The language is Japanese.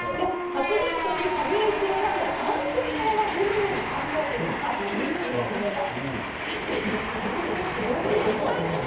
初デートにファミレスを選んだ男性側はどのように考えているのか聞いてきました。